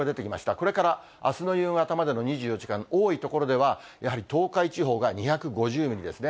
これからあすの夕方までの２４時間、多い所では、やはり東海地方が２５０ミリですね。